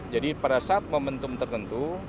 jadi pada saat momentum tertentu